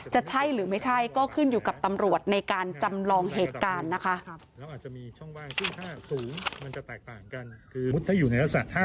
จะใช่หรือไม่ใช่ก็ขึ้นอยู่กับตำรวจในการจำลองเหตุการณ์นะคะ